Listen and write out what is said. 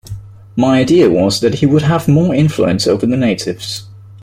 My idea was that he would have more influence over the natives.